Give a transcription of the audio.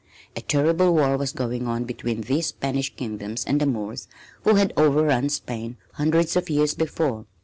A terrible war was going on between these Spanish kingdoms and the Moors, who had overrun Spain hundreds of years before.